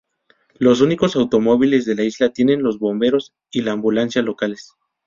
Los únicos automóviles de la isla tienen los bomberos y la ambulancia locales.